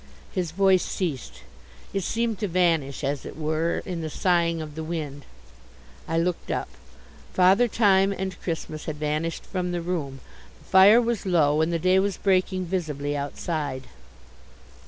His voice ceased. It seemed to vanish, as it were, in the sighing of the wind. I looked up. Father Time and Christmas had vanished from the room. The fire was low and the day was breaking visibly outside.